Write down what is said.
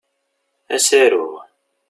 Ad as-aruɣ.